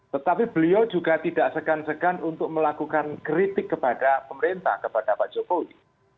tetapi beliau juga tidak segan segan untuk melakukan kritik kepada pemerintah kepada pak jokowi